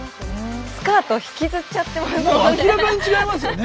スカート引きずっちゃってますよね。